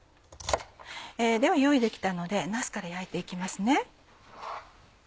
では用意できたのでなすから焼いて行きますね。